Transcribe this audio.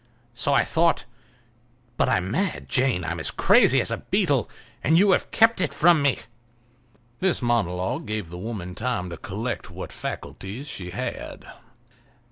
So I thought, but I'm mad, Jane, I'm as crazy as a beetle; and you have kept it from me." This monologue gave the woman time to collect what faculties she had.